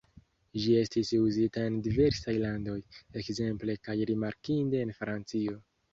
Ĝi estis uzita en diversaj landoj, ekzemple kaj rimarkinde en Francio.